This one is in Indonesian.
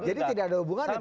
jadi itu radia hubungan sama